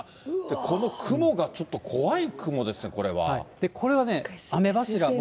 この雲がちょっと怖い雲ですね、これはね、雨柱。